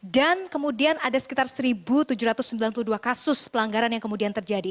dan kemudian ada sekitar satu tujuh ratus sembilan puluh dua kasus pelanggaran yang kemudian terjadi